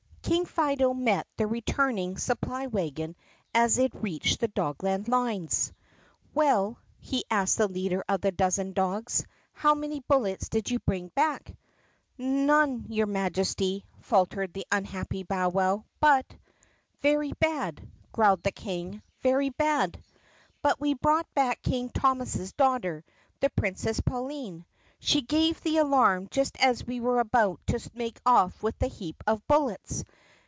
K ING Fido met the returning supply wagon as it reached the Dogland lines. "Well," he asked the leader of the dozen dogs, "how many bullets did you bring back?" "N none, your Majesty," faltered the unhappy bowwow, "but —" "Very bad!" growled the King. "Very bad!" "But we brought back King Thomas's daughter, the Prin cess Pauline. She gave the alarm just as we were about to make off with a heap of bullets.